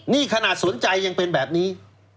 นี่ขนาดสนใจยังเป็นแบบนี้